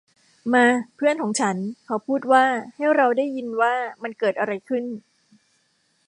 มา เพื่อนของฉัน เขาพูดว่า ให้เราได้ยินว่ามันเกิดอะไรขึ้น !